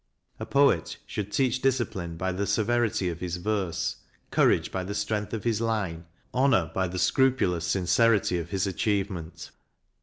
A poet should teach discipline by the severity of his verse, courage by the strength of his line, honour by the scrupulous sincerity of his achievement.